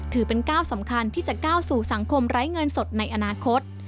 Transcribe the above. ถือเป็นก้าวสำคัญที่จะก้าวสู่สังคมไร้เงินสดในอนาคต